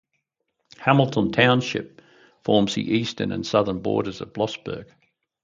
Hamilton Township forms the eastern and southern borders of Blossburg.